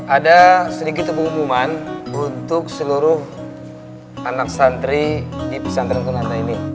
ada sedikit pengumuman untuk seluruh anak santri di pesantren tunanda ini